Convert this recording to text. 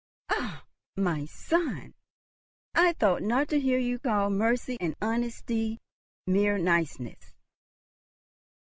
"Ah! my son, I thought not to hear you call mercy and honesty mere niceness."